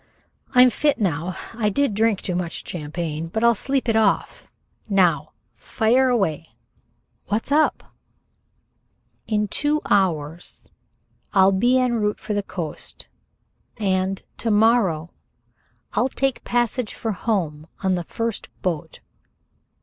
"I'm fit now. I did drink too much champagne, but I'll sleep it off. Now fire away, what's up?" "In two hours I'll be en route for the coast, and to morrow I'll take passage for home on the first boat."